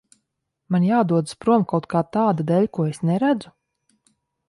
Man jādodas prom kaut kā tāda dēļ, ko es neredzu?